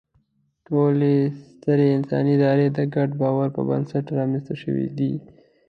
ټولې سترې انساني ادارې د ګډ باور پر بنسټ رامنځ ته شوې دي.